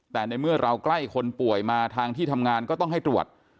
แต่ในเมื่อเราใกล้คนป่วยมาทางที่ทำงานก็ต้องให้ตรวจ